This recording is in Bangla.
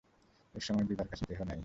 এ-সময়ে বিভার কাছে কেহ নাই।